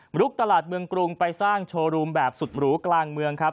ลุกตลาดเมืองกรุงไปสร้างโชว์รูมแบบสุดหรูกลางเมืองครับ